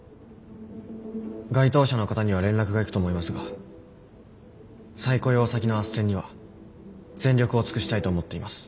該当者の方には連絡がいくと思いますが再雇用先のあっせんには全力を尽くしたいと思っています。